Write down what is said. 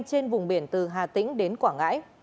trên vùng biển từ hà tĩnh đến quảng ngãi